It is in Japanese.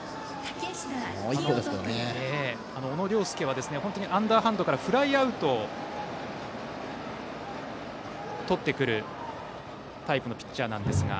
小野涼介はアンダーハンドからフライアウトをとってくるタイプのピッチャーなんですが。